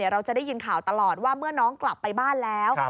เราจะได้ยินข่าวตลอดว่าเมื่อน้องกลับไปบ้านแล้ว